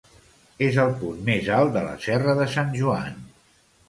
És el punt més alt de la Serra de Sant Joan.